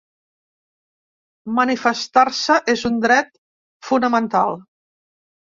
Manifestar-se és un dret fonamental.